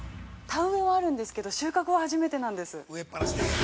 田植えはあるんですけど収穫は初めてなんです。